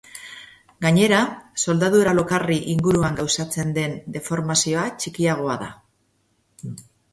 Gainera, soldadura lokarri inguruan gauzatzen den deformazioa txikiagoa da.